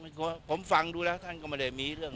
ไม่มีหรอกไม่กลัวไม่กลัวผมฟังดูแล้วท่านก็ไม่ได้มีเรื่อง